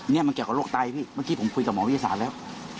นี่มันเกี่ยวกับโรคไตพี่เมื่อกี้ผมคุยกับหมอวิทยาศาสตร์แล้ว